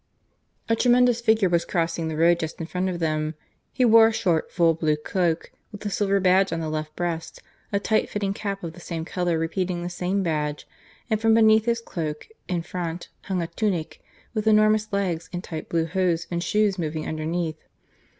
A tremendous figure was crossing the road just in front of them. He wore a short, full blue cloak, with a silver badge on the left breast, a tight fitting cap of the same colour repeating the same badge, and from beneath his cloak in front hung a tunic, with enormous legs in tight blue hose and shoes moving underneath.